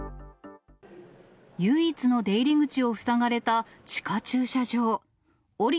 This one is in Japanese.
唯一の出入り口を塞がれた地下駐車場。